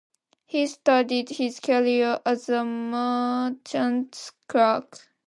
He started his career as a merchant's clerk.